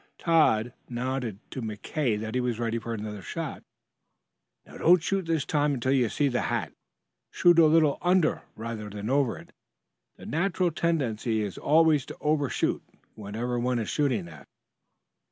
Tad nodded to McKay that he was ready for another shot. "Don't shoot this time until you see the hat. Shoot a little under rather than over it. The natural tendency is always to overshoot, whatever one is shooting at."